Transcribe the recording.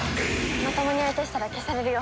まともに相手したら消されるよ。